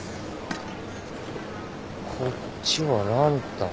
こっちはランタン。